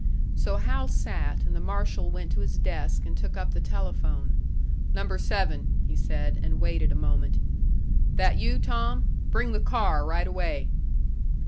So Hal sat, and the marshal went to his desk, and took up the telephone. "Number seven," he said, and waited a moment. "That you, Tom? Bring the car right away."